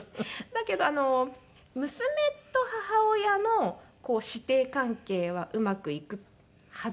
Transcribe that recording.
だけど娘と母親の師弟関係はうまくいくはずだなと。